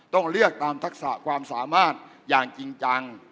ต้องเลือกตามทักษะความสามารถอย่างจริงจัง